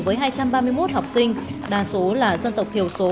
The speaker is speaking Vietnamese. với hai trăm ba mươi một học sinh đa số là dân tộc thiểu số